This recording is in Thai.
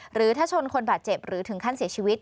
หรือถ้าชนคนบาดเจ็บหรือถึงขั้นเสียชีวิต